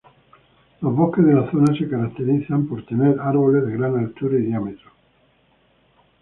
Los bosques de la zona se caracterizan tener árboles de gran altura y diámetro.